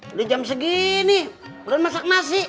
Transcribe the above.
udah jam segini belum masak nasi